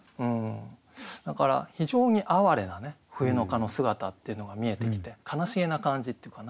だから非常に哀れな冬の蚊の姿っていうのが見えてきて悲しげな感じっていうかな